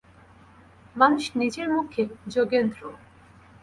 মানুষ নিজের মুখে- যোগেন্দ্র।